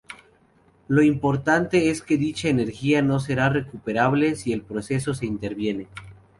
Lo importante es que dicha energía no será recuperable si el proceso se invierte.